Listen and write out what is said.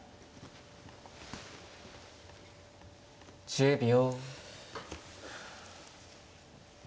１０秒。